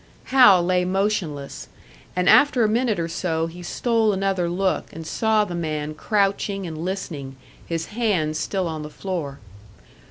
Hal lay motionless, and after a minute or so he stole another look and saw the man crouching and listening, his hands still on the floor.